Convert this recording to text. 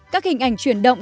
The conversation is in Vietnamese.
các hình ảnh truyền động